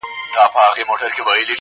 دا ډېوه به ووژنې، ماته چي وهې سترگې